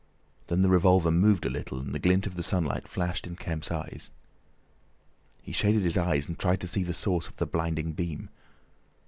Then the revolver moved a little and the glint of the sunlight flashed in Kemp's eyes. He shaded his eyes and tried to see the source of the blinding beam.